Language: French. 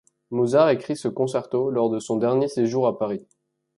Mozart écrit ce concerto lors de son dernier séjour à Paris.